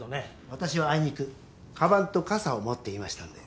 私はあいにくかばんと傘を持っていましたので。